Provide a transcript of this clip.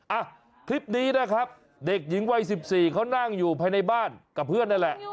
อ่ะคลิปนี้นะครับเด็กหญิงวัย๑๔เขานั่งอยู่ภายในบ้านกับเพื่อนนั่นแหละ